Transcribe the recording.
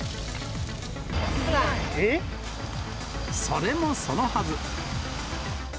それもそのはず。